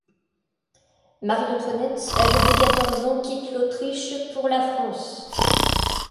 Marie-Antoinette, âgée de quatorze ans, quitte l'Autriche pour la France.